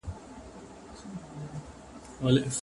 هو داده رشتيا چي و